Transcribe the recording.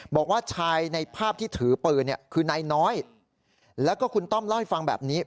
บอกว่าชายในภาพที่ถือปืนคือนายน้อยแล้วก็คุณต้อมเล่าให้ฟังแบบนี้